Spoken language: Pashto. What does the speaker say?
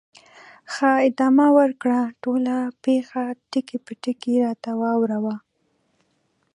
ښه، ادامه ورکړه، ټوله پېښه ټکي په ټکي راته واوره وه.